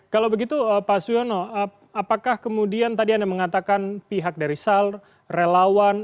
kalau begitu pak suyono apakah kemudian tadi anda mengatakan pihak dari sal relawan